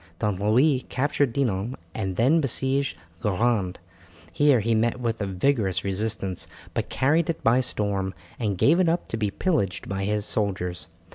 Don Louis captured Dinan and then besieged Guerande. Here he met with a vigorous resistance, but carried it by storm, and gave it up to be pillaged by his soldiers.